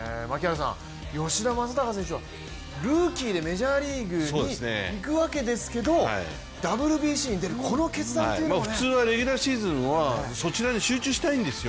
吉田正尚選手はルーキーでメジャーリーグに行くわけですけど、ＷＢＣに出る、この決断というのはね。普通はレギュラーシーズンはそちらに集中したいんですよ。